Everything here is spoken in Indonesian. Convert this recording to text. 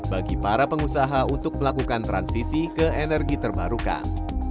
bagi para pengusaha untuk melakukan transisi ke energi terbarukan